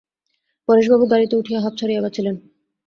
পরেশবাবু গাড়িতে উঠিয়া হাঁপ ছাড়িয়া বাঁচিলেন।